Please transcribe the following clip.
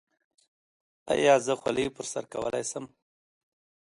ایا زه خولۍ په سر کولی شم؟